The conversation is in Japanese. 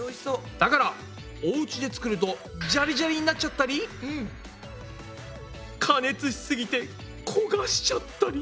だからおうちで作るとジャリジャリになっちゃったり加熱しすぎて焦がしちゃったり。